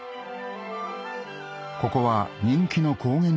ここは人気の高原